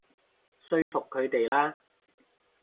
說服佢哋啦